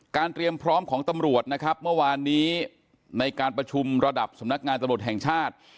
เตรียมพร้อมของตำรวจนะครับเมื่อวานนี้ในการประชุมระดับสำนักงานตำรวจแห่งชาติ